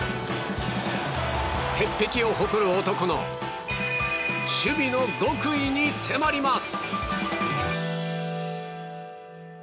鉄壁を誇る男の守備の極意に迫ります。